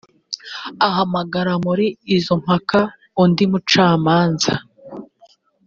ahamagara muri izo mpaka undi mucamanza.